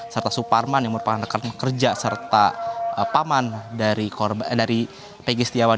serta suparman yang merupakan rekan pekerja serta paman dari pg setiawan